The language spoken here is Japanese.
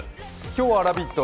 今日は「ラヴィット！」